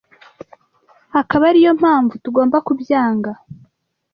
akaba ari yo mpamvu tugomba kubyanga